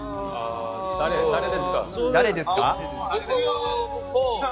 誰ですか？